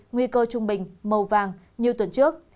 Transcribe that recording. nguy cơ trung bình màu vàng như tuần trước